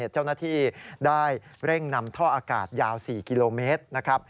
เจ้าหน้าที่ได้เร่งนำท่ออากาศยาว๔กิโลเมตรนะครับ